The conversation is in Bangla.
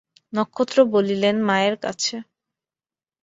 নক্ষত্র বলিলেন, মায়ের কাছে।